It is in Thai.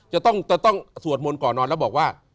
จะต้องสวดมนต์ก่อนนอนแล้วบอกว่า